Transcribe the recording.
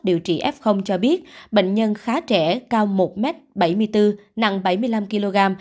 điều trị f cho biết bệnh nhân khá trẻ cao một m bảy mươi bốn nặng bảy mươi năm kg